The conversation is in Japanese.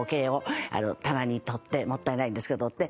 もったいないんですけど取って。